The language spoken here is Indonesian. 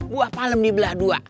buah palem di belah dua